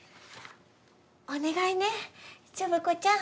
お願いねジョブ子ちゃん！